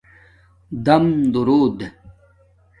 دام دݸرود